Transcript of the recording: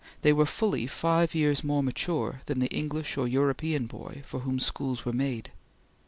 They were fully five years more mature than the English or European boy for whom schools were made.